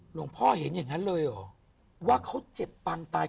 พ่อเห็นอย่างนั้นเลยเหรอว่าเขาเจ็บปังตาย